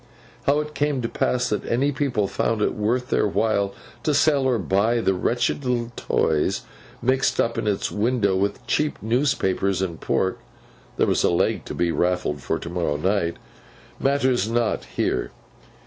How it came to pass that any people found it worth their while to sell or buy the wretched little toys, mixed up in its window with cheap newspapers and pork (there was a leg to be raffled for to morrow night), matters not here.